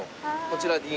こちらに。